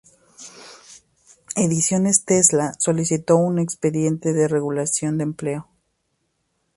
Ediciones Tesla solicitó un expediente de regulación de empleo.